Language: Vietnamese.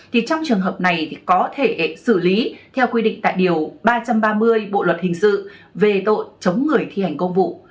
thì trong trường hợp này thì có thể xử lý theo quy định tại điều ba trăm ba mươi bộ luật hình sự về tội chống người thi hành công vụ